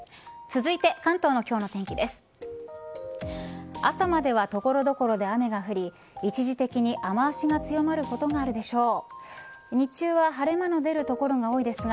続いて関東の今日の天気です。